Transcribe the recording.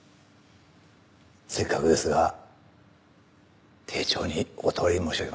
せっかくですが丁重にお断り申し上げます。